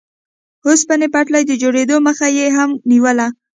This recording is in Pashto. اوسپنې پټلۍ د جوړېدو مخه یې هم نیوله.